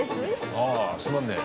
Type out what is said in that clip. ああすまんね。